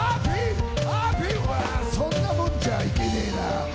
そんなもんじゃいけねえな！